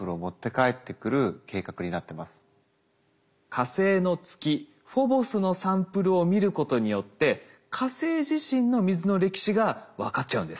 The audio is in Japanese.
火星の月フォボスのサンプルを見ることによって火星自身の水の歴史が分かっちゃうんですって。